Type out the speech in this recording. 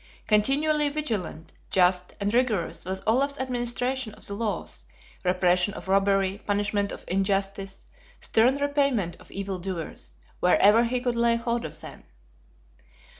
Continually vigilant, just, and rigorous was Olaf's administration of the laws; repression of robbery, punishment of injustice, stern repayment of evil doers, wherever he could lay hold of them.